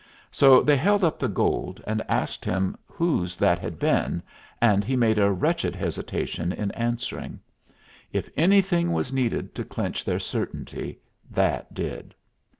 So they held up the gold and asked him whose that had been, and he made a wretched hesitation in answering. If anything was needed to clinch their certainty, that did.